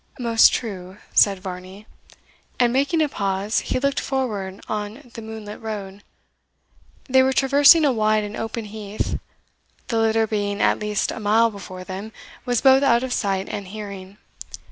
"Most true," said Varney; and making a pause, he looked forward on the moonlight road. They were traversing a wide and open heath. The litter being at least a mile before them, was both out of sight and hearing.